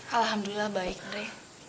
alhamdulillah baik re